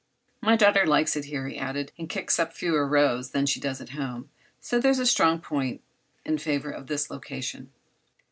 "My daughter likes it here," he added, "and kicks up fewer rows than she does at home; so that's a strong point in favor of this location.